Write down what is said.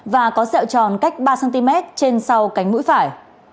và có xẹo tròn cách ba cm trên sau cánh mũi phải